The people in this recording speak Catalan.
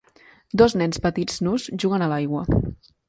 Dos nens petits nus juguen a l'aigua.